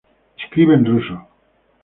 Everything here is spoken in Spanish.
Escribe en ruso.